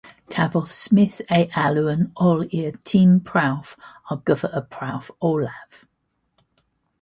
Cafodd Smith ei alw'n ôl i'r tîm prawf ar gyfer y prawf olaf.